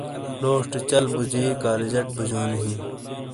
لوشٹی چل بوجی کالجٹ بوجونی ہیں